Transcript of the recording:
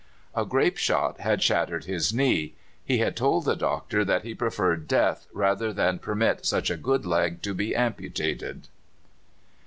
"A grape shot had shattered his knee. He had told the doctor that he preferred death rather than permit such a good leg to be amputated."